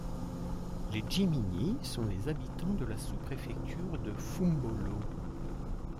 Les Djimini sont les habitants de la sous-préfecture de Foumbolo.